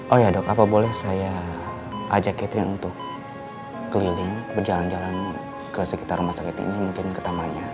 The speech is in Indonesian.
oh ya dok apa boleh saya ajak catherine untuk keliling berjalan jalan ke sekitar rumah sakit ini mungkin ke tamannya